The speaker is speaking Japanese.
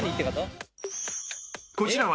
［こちらは］